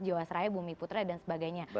jawa seraya bumi putra dan sebagainya